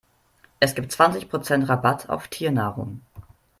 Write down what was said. Es gibt zwanzig Prozent Rabatt auf Tiernahrung.